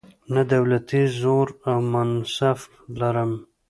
نه دولتي زور او منصب لرم.